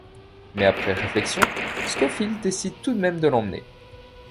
Mais après réflexion, Scofield décide tout de même de l'emmener.